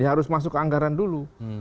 ya harus masuk ke anggaran dulu